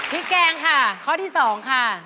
แกงค่ะข้อที่๒ค่ะ